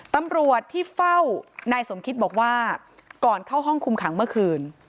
ตำรวจที่เฝ้านายสมคิตบอกว่าก่อนเข้าห้องคุมขังเมื่อคืน